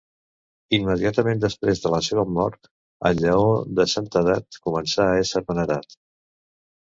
Immediatament després de la seva mort, en llaor de santedat, començà a ésser venerat.